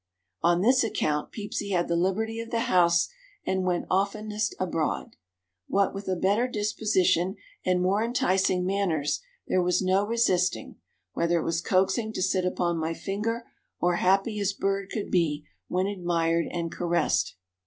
On this account Peepsy had the liberty of the house and went oftenest abroad. What with a better disposition and more enticing manners there was no resisting, whether it was coaxing to sit upon my finger or happy as bird could be when admired and caressed.